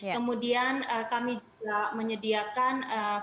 kemudian kami juga menyediakan